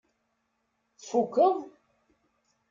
Tfukkeḍ?